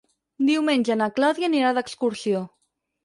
Diumenge na Clàudia anirà d'excursió.